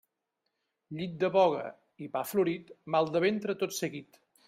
Llit de boga i pa florit, mal de ventre tot seguit.